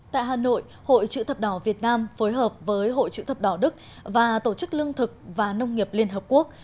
tại hà nội hội chữ thập đỏ việt nam phối hợp với hội chữ thập đỏ đức và tổ chức lương thực và nông nghiệp liên hợp quốc